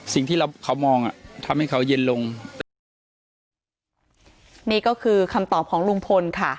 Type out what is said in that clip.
สิ่งที่เราเขามองอ่ะทำให้เขาเย็นลงเรื่อยนี่ก็คือคำตอบของลุงพลค่ะ